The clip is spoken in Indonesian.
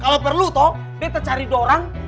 kalo perlu toh beta cari dorang